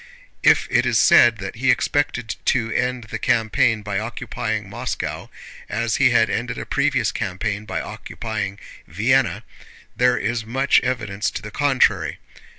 If it is said that he expected to end the campaign by occupying Moscow as he had ended a previous campaign by occupying Vienna, there is much evidence to the contrary.